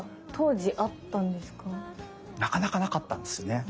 なかなかなかったんですね。